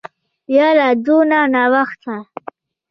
يره دونه ناوخته.